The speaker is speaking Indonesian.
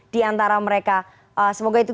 diantara mereka semoga itu